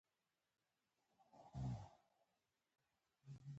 کلیمه په جمله کښي کارېږي.